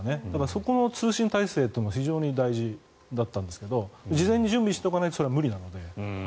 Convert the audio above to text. そこの通信態勢っていうのは非常に大事だったんですけど事前に準備しておかないとそれは無理なので。